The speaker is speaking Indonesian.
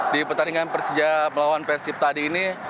di pertandingan persija melawan persib tadi ini